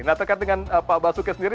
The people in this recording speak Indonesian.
nah terkait dengan pak basuki sendiri